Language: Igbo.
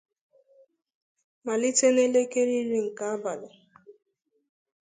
malite n'elekere iri nke abalị